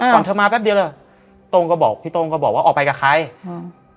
ก่อนเธอมาแป๊บเดียวเหรอโต้งก็บอกพี่ต้งก็บอกว่าออกไปกับใครอืม